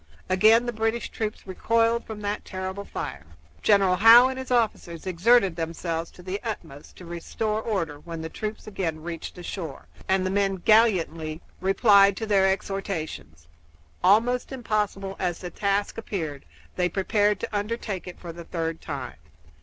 Again the British troops recoiled from that terrible fire. General Howe and his officers exerted themselves to the utmost to restore order when the troops again reached the shore, and the men gallantly replied to their exhortations. Almost impossible as the task appeared, they prepared to undertake it for the third time.